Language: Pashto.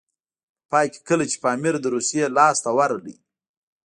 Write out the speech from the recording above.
په پای کې کله چې پامیر د روسیې لاسته ورغی.